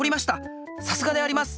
さすがであります！